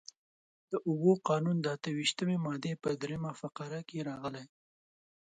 د اوبو قانون د اته ویشتمې مادې په درېیمه فقره کې راغلي.